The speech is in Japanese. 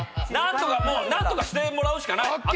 何とかしてもらうしかない。